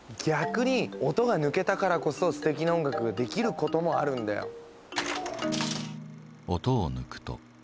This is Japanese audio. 逆に音が抜けたからこそすてきな音楽ができることもあるんだよ。